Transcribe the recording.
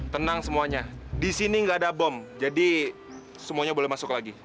tenang semuanya di sini nggak ada bom jadi semuanya boleh masuk lagi